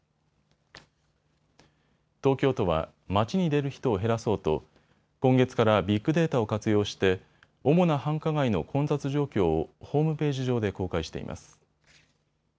東京都は街に出る人を減らそうと今月からビッグデータを活用して主な繁華街の混雑状況をホームページ上で公開しています。